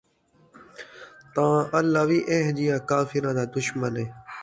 تاں اللہ وِی اِہجیاں کافراں دا دشمن ہے ۔